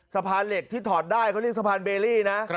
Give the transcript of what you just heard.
สะพานเหล็กที่ถอดได้เขาเรียกสะพานเบรี่นะ